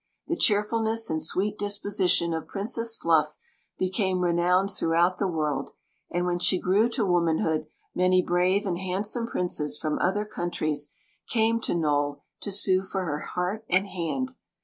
The cheerfulness and sweet disposition of Princess Fluff became renowned throughout the world, and when she grew to womanhood many brave and hand some princes from other countries came to Nole to sue for her heart and hand.